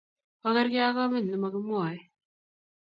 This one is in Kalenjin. Okerkei ak komet ne mo kimwoey.